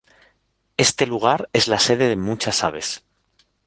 Este lugar es la sede de muchas aves.